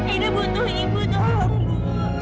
ina butuh ibu tolong ibu